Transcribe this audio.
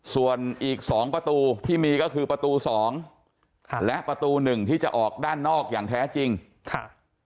ส่วนอีกสองประตูที่มีก็คือประตูสองค่ะและประตูหนึ่งที่จะออกด้านนอกอย่างแท้จริงค่ะ